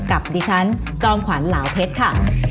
กับดิฉันจอมขวัญเหลาเพชรค่ะ